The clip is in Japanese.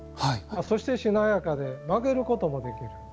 そしてしなやかで曲げることもできる。